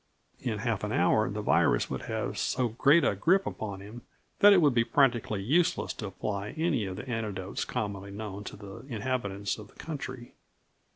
In half an hour the virus would have so great a grip upon him that it would be practically useless to apply any of the antidotes commonly known to the inhabitants of the country.